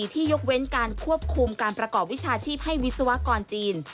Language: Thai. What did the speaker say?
ยกเว้นการควบคุมการประกอบวิชาชีพให้วิศวกรจีน